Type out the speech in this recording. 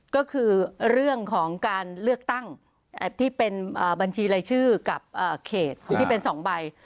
ก็คือเรื่องของการเลือกตั้งที่เป็นบัญชีรายชื่อกับเขตที่เป็น๒ใบ